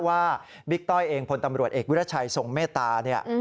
ว่าบิ๊กต้อยเองพลตำรวจเอกวิทยาชัยทรงเมตตา